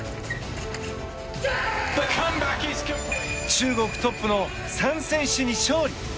中国トップの３選手に勝利。